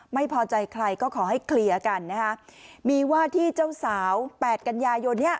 ไม่พอใจใครก็ขอให้เคลียร์กันนะคะมีว่าที่เจ้าสาวแปดกันยายนเนี้ย